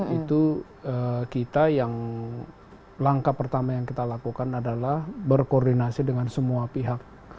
itu kita yang langkah pertama yang kita lakukan adalah berkoordinasi dengan semua pihak